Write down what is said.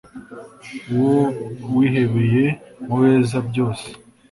Uwo wihebeye mubeza byose